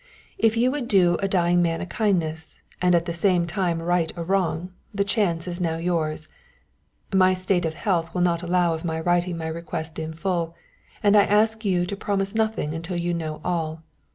If you would do a dying man a kindness, and at the same time right a wrong, the chance is now yours. My state of health will not allow of my writing my request in full and I ask you to promise nothing until you know all.